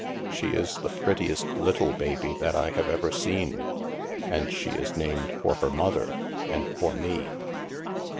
She is the prettiest little baby that I have ever seen, and she is named for her mother and for me.